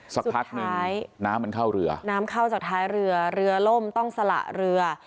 สุดท้ายน้ำเข้าจากท้ายเรือเรือล่มต้องสละเรือ